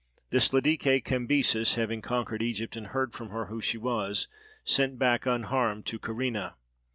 This Ladike Cambyses, having conquered Egypt and heard from her who she was, sent back unharmed to Kyrene.